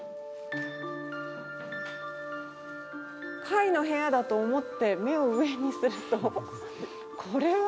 貝の部屋だと思って目を上にするとこれは？